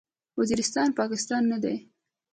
وزیرستان، پاکستان نه دی.